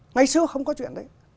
ngày xưa không có chuyện đấy